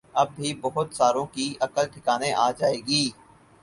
اب بھی بہت ساروں کی عقل ٹھکانے آجائے گی